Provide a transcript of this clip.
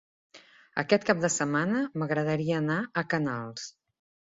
Aquest cap de setmana m'agradaria anar a Canals.